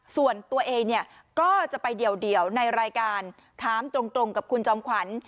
ส่วนตัวเองเนี่ยก็จะไปเดี่ยวในรายการถามตรงกับคุณจอมขวัญ